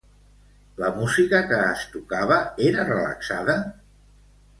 La música que es tocava era relaxada?